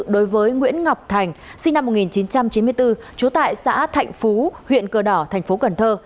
đối với nguyễn ngọc thành sinh năm một nghìn chín trăm chín mươi bốn trú tại xã thạnh phú huyện cờ đỏ thành phố cần thơ